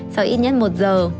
sau ít nhất một giờ